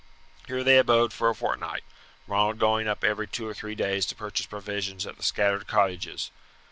Here they abode for a fortnight, Ronald going up every two or three days to purchase provisions at the scattered cottages.